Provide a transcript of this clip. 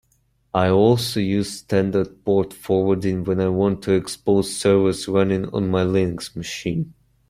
I also use standard port forwarding when I want to expose servers running on my Linux machine.